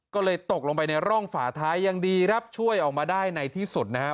ก็เลยตกลงไปในร่องฝาท้ายยังดีครับช่วยออกมาได้ในที่สุดนะครับ